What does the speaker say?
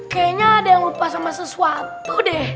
kayaknya ada yang lupa sama sesuatu deh